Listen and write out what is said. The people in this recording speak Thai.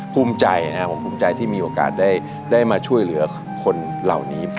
ภูมิใจนะครับผมภูมิใจที่มีโอกาสได้มาช่วยเหลือคนเหล่านี้